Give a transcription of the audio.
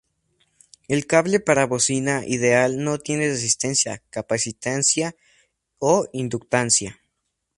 El cable para bocina ideal no tiene resistencia, capacitancia o inductancia.